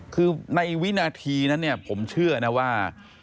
คือในวินาทีนั้นเนี่ยผมเชื่อนะว่า